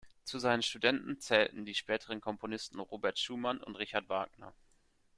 Zu seinen Studenten zählten die späteren Komponisten Robert Schumann und Richard Wagner.